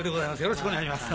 よろしくお願いします